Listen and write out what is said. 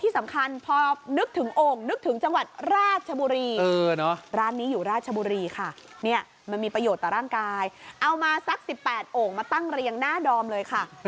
สัก๑๘โอ่งมาตั้งเรียงหน้าดอมเลยค่ะ